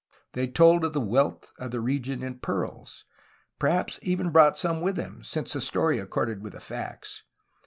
They told of the wealth of the region in pearls, — ^perhaps even brought some with them, since the story accorded with the facts.